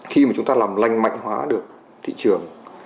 khi mà chúng ta làm lành mạnh hóa được thị trường